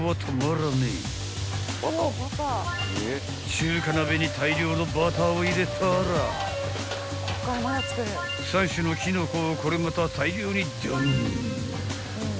［中華鍋に大量のバターを入れたら３種のキノコをこれまた大量にドン！］